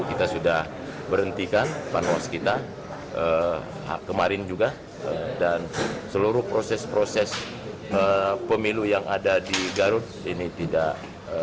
kita sudah berhentikan panwas kita kemarin juga dan seluruh proses proses pemilu yang ada di garut ini tidak